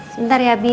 sebentar ya bi